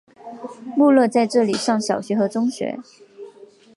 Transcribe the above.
穆勒在这里上小学和中学。